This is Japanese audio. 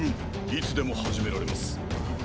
いつでも始められます！